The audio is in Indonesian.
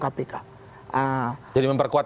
kpk jadi memperkuat